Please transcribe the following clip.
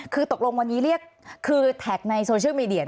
คือตกลงวันนี้เรียกคือแท็กในโซเชียลมีเดีย